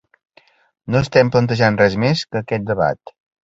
No estem plantejant res més que aquest debat.